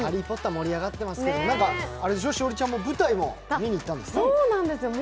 盛り上がってますけど栞里ちゃん、舞台見に行ったんでしょ？